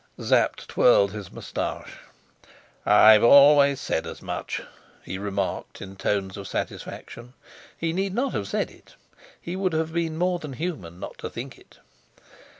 Sapt twirled his moustache. "I've always said as much," he remarked in tones of satisfaction. He need not have said it; he would have been more than human not to think it.